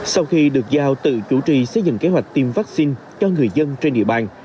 sau khi được giao tự chủ trì xây dựng kế hoạch tiêm vaccine cho người dân trên địa bàn